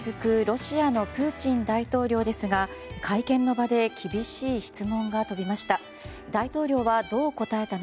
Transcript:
ロシアのプーチン大統領ですが会見の場で厳しい質問が飛びました。